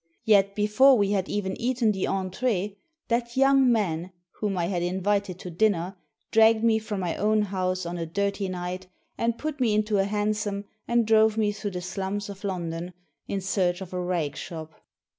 Yet, before we had even eaten tho entrfe, that young man — ^whom I had invited to dinner — dragged me from my own house on a dirty night, and put me into a hansom, and drove me through the slums of London in search of a rag shop.